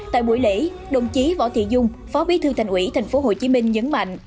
tại buổi lễ đồng chí võ thị dung phó bí thư thành ủy tp hcm nhấn mạnh